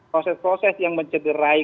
proses proses yang mencederai